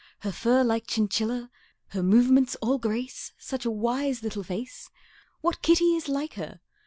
Her fur like chinchilla Her movements all grace Such a wise little face What kitty is like her?